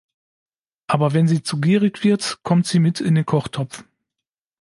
Aber wenn sie zu gierig wird, kommt sie mit in den Kochtopf.